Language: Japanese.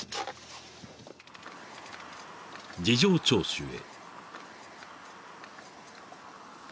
［事情聴取へ］